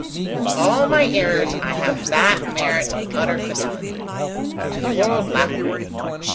With all my errors I have that merit of utter fidelity to the world laughable!